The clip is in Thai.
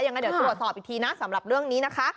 ยังไงเดี๋ยวตรวจสอบอีกทีนะสำหรับเรื่องนี้นะคะ